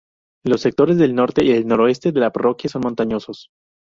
Los sectores del norte y el noreste de la parroquia son montañosos.